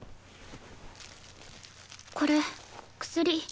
これ薬。